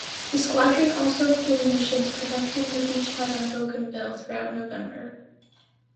The squadron also flew missions protecting the beachhead on Bougainville throughout November.